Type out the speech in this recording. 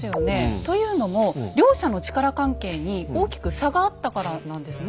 というのも両者の力関係に大きく差があったからなんですね。